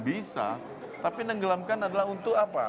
bisa tapi nenggelamkan adalah untuk apa